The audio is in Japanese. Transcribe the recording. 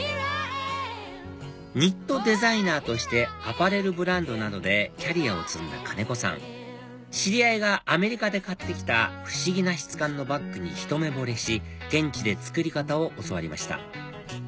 ニットデザイナーとしてアパレルブランドなどでキャリアを積んだ金子さん知り合いがアメリカで買ってきた不思議な質感のバッグにひと目ぼれし現地で作り方を教わりました